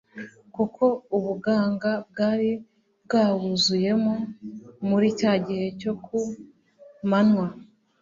kuko ubuganga bwari bwawuvuyemo muri cya gihe cyo ku manywa.